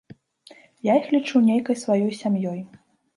Я іх лічу нейкай сваёй сям'ёй.